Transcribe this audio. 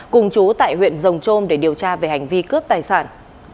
cùng chú tại huyện rồng trôm để điều tra về hành vi cướp tài sản